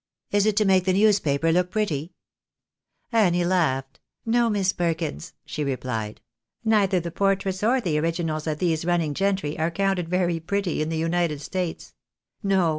" Is it to make the newspaper look pretty ?" Annie laughed. " No, Miss Perkins," she replied, " neither the portraits nor the originals of these running gentry are counted very pretty in the United States. No